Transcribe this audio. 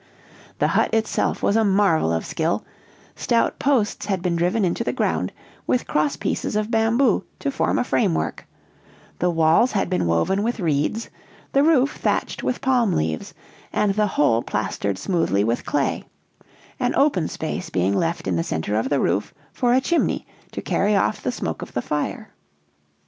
The hut itself was a marvel of skill; stout posts had been driven into the ground, with cross pieces of bamboo, to form a framework; the walls had been woven with reeds, the roof thatched with palm leaves, and the whole plastered smoothly with clay, an open space being left in the center of the roof for a chimney to carry off the smoke of the fire.